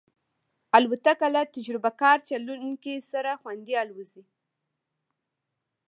الوتکه له تجربهکار چلونکي سره خوندي الوزي.